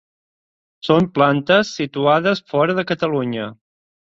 Són plantes situades fora de Catalunya.